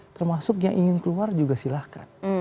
termasuk yang ingin keluar juga silahkan